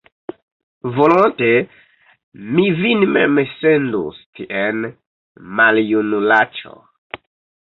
Volonte mi vin mem sendus tien, maljunulaĉo!